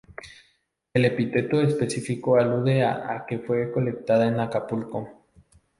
El epíteto específico alude a que fue colectada en Acapulco.